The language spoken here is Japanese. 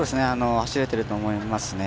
走れていると思います。